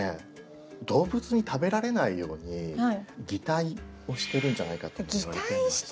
動物に食べられないように擬態をしてるんじゃないかともいわれてまして。